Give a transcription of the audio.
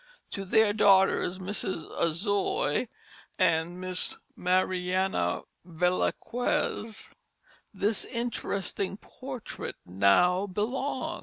To their daughters, Mrs. Azoy and Miss Mariana Velasquez, this interesting portrait now belongs.